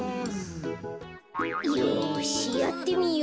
よしやってみよう。